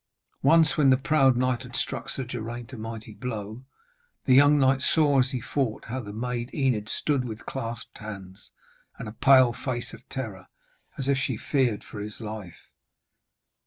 Once, when the proud knight had struck Sir Geraint a mighty blow, the young knight saw, as he fought, how the maid Enid stood with clasped hands and a pale face of terror, as if she feared for his life.